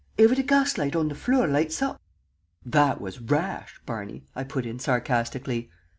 every gas jet on the flure loights up!" "That was rash, Barney," I put in, sarcastically.